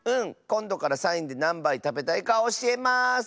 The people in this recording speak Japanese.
こんどからサインでなんばいたべたいかおしえます！